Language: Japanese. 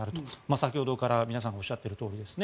先ほどから皆さんがおっしゃっているとおりですね。